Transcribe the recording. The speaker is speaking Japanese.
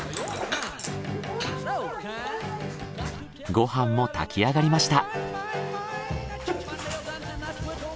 ご飯も炊きあがりました。